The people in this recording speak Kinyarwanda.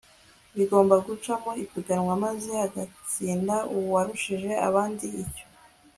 bigomba guca mu ipiganwa, maze hagatsinda uwarushije abandi. icyo